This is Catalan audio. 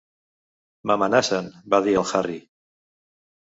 "M'amenacen", va dir el Harry.